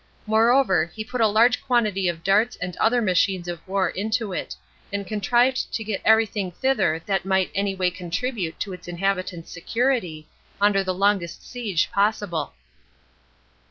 Moreover, he put a large quantity of darts and other machines of war into it, and contrived to get every thing thither that might any way contribute to its inhabitants' security, under the longest siege possible.